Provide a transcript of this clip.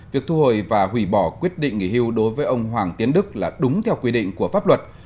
việc thu hồi và hủy bỏ quyết định nghỉ hưu đối với ông hoàng tiến đức là đúng theo quy định của pháp luật